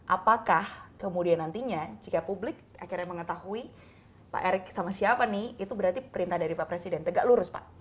apakah kemudian nantinya jika publik akhirnya mengetahui pak erick sama siapa nih itu berarti perintah dari pak presiden tegak lurus pak